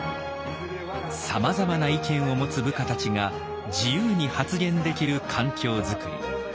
さまざまな意見を持つ部下たちが自由に発言できる環境作り。